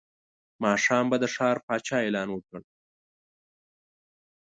ماښام به د ښار پاچا اعلان وکړ.